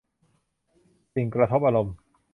สิ่งกระทบอารมณ์